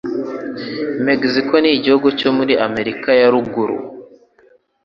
Mexico ni igihugu cyo muri Amerika ya Ruguru.